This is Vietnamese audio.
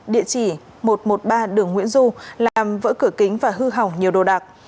địa chỉ một trăm một mươi ba đường nguyễn du làm vỡ cửa kính và hư hỏng nhiều đồ đạc